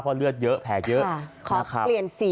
เพราะเลือดเยอะแผงเยอะ